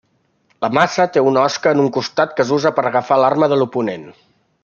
La maça té una osca en un costat que s'usa per agafar l'arma de l'oponent.